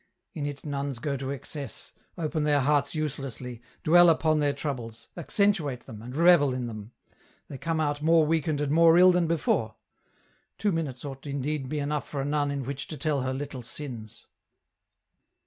In it nuns go to excess, open their hearts uselessly, dwell upon their troubles, accentuate them, and revel in them ; they come out more weakened and more ill than before. Two minutes ought indeed to be enough for a nun in which to tell her little sins.